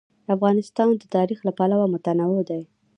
افغانستان د تاریخ له پلوه متنوع دی.